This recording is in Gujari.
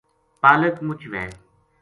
پالک مچ وھے“